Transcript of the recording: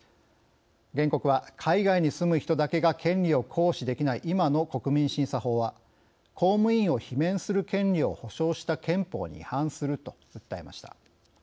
原告は、海外に住む人だけが権利を行使できない今の国民審査法は公務員を罷免する権利を保障した憲法に違反すると訴えました。